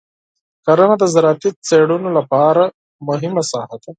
کرنه د زراعتي څېړنو لپاره مهمه ساحه ده.